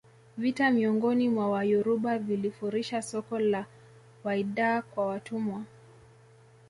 vita miongoni mwa Wayoruba vilifurisha soko la Whydah kwa watumwa